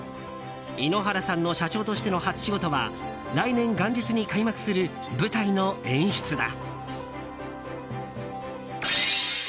井ノ原さんの社長としての初仕事は来年元日に開幕する舞台の演出だ。